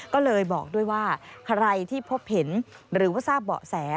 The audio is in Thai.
ก็เลยบอกด้วยว่าใครที่พบเห็นหรือว่าทราบเบาะแส